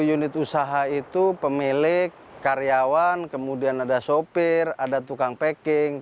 satu unit usaha itu pemilik karyawan kemudian ada sopir ada tukang packing